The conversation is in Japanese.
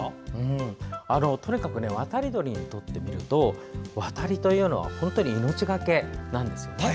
渡り鳥にとってみると渡りというのは本当に命がけなんです。